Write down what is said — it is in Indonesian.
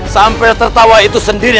sampai tertawa itu sendiri